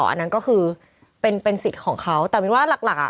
อันนั้นก็คือเป็นสิทธิ์ของเขาแต่มินว่าหลักหลักอ่ะ